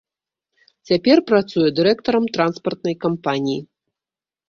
Цяпер працуе дырэктарам транспартнай кампаніі.